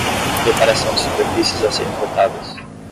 Preparação de superfícies a serem cortadas.